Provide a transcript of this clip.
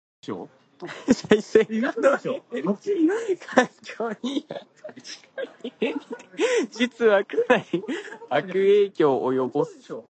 再生可能エネルギーは環境に優しく見えて、実はかなり悪影響を及ぼす。